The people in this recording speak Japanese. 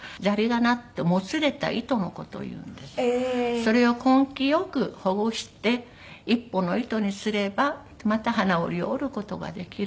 それを根気よくほぐして一本の糸にすればまた花織を織る事ができる。